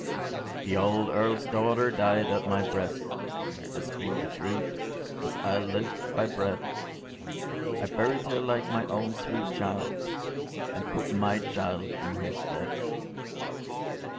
“The old Earl’s daughter died at my breast; I speak the truth, as I live by bread! I buried her like my own sweet child, And put my child in her stead.